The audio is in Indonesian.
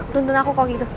tonton aku kalau gitu